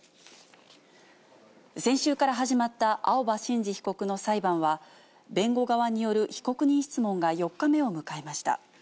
先週から始まった青葉真司被告の裁判は、弁護側による被告人質問が４日目を迎えました。